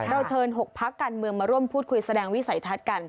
เราเชิญ๖พักการเมืองมาร่วมพูดคุยแสดงวิสัยทัศน์กัน